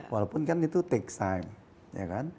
walaupun kan itu take time